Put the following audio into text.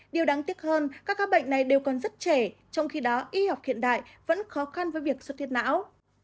điều đáng tiếc hơn các bệnh này đều còn rất trẻ trong khi đó y học hiện đại vẫn khó khăn với việc suốt huyết não